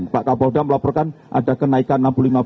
pak kapolda melaporkan ada kenaikan enam puluh lima